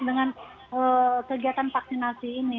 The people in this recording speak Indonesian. dengan kegiatan vaksinasi ini